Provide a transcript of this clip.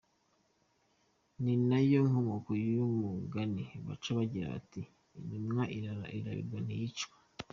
Ni na yo nkomoko y’umugani baca bagira bati “Intumwa irarabirwa ntiyicwa.